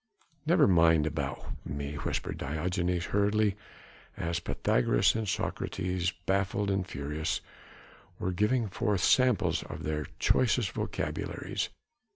"Never mind about me," whispered Diogenes hurriedly as Pythagoras and Socrates, baffled and furious, were giving forth samples of their choicest vocabularies.